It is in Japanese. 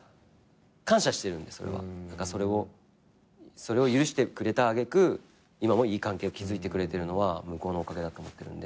それを許してくれた揚げ句今もいい関係築いてくれてるのは向こうのおかげだと思ってるんで。